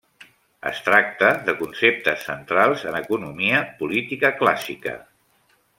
Es tracta de conceptes centrals en economia política clàssica.